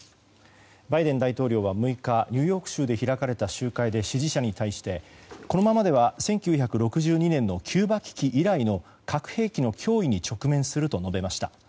バイデン大統領は６日ニューヨーク州で開かれた集会で支持者に対してこのままでは１９６２年のキューバ危機以来の核兵器の脅威に直面すると述べました。